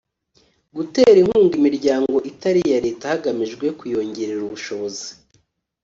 Gutera inkunga imiryango itari iya Leta hagamijwe kuyongerera ubushobozi